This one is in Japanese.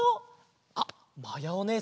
あっまやおねえさん